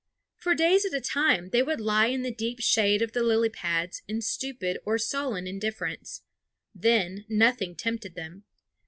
For days at a time they would lie in the deep shade of the lily pads in stupid or sullen indifference. Then nothing tempted them.